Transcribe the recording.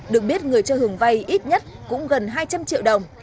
được biết người cho hưởng vay ít nhất cũng gần hai trăm linh triệu đồng